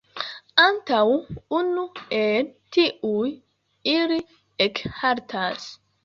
Antaŭ unu el tiuj ili ekhaltas.